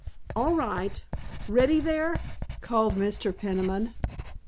"All right; ready there?" called Mr. Peniman.